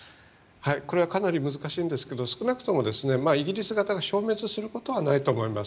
これはかなり難しいんですが少なくともイギリス型が消滅することはないと思います。